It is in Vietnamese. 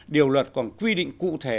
điều luật còn quy định cụ thể